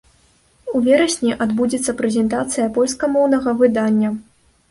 У верасні адбудзецца прэзентацыя польскамоўнага выдання.